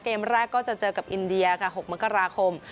เกมแรกก็จะเจอกับอินเดียค่ะ๖มกราคม